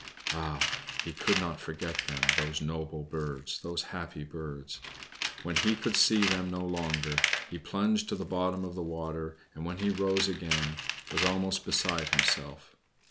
Ah! he could not forget them, those noble birds, those happy birds! When he could see them no longer he plunged to the bottom of the water, and when he rose again was almost beside himself.